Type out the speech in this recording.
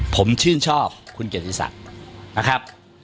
ผมชื่นชอบคุณเกียรติศักดิ์นะครับ